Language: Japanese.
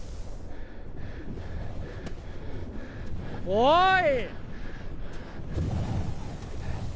おい！